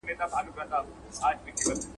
• بلا پر بلا واوښته، بلا بوڅ کوني را واوښته.